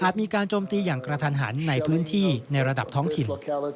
มีการโจมตีอย่างกระทันหันในพื้นที่ในระดับท้องถิ่น